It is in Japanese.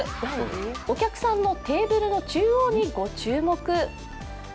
お客さんのテーブルの中央にご注目。